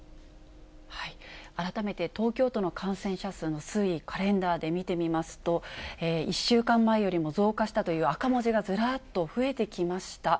改めて、東京都の感染者数の推移、カレンダーで見てみますと、１週間前よりも増加したという赤文字が、ずらっと増えてきました。